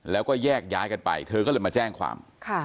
แล้วก็แยกย้ายกันไปเธอก็เลยมาแจ้งความ